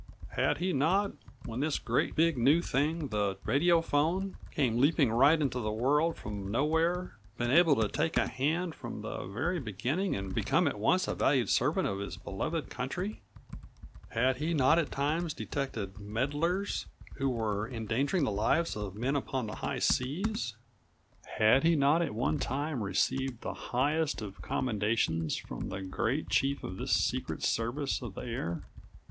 Had he not, when this great big new thing, the radiophone, came leaping right into the world from nowhere, been able to take a hand from the very beginning and become at once a valuable servant of his beloved country? Had he not at times detected meddlers who were endangering the lives of men upon the high seas? Had he not at one time received the highest of commendations from the great chief of this secret service of the air?